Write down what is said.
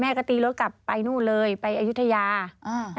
ก็ตีรถกลับไปนู่นเลยไปอายุทยาอ่า